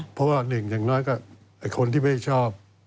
เพราะว่าหนึ่งอย่างน้อยก็คนที่ไม่ชอบ